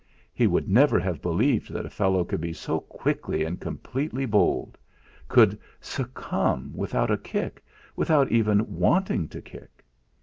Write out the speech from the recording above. He would never have believed that a fellow could be so quickly and completely bowled, could succumb without a kick, without even wanting to kick.